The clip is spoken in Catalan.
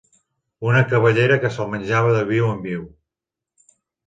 Una cabellera que se'l menjava de viu en viu